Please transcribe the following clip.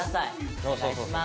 お願いします。